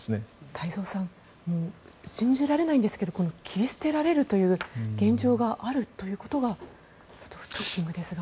太蔵さん信じられないんですが切り捨てられるという現実があるということですが。